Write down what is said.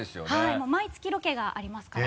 もう毎月ロケがありますから。